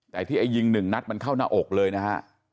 แต่ที่ไอ้ยิงหนึ่งนัดมันเข้าหน้าอกเลยนะฮะ